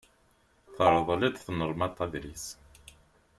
Terḍel-d tnelmadt adlis.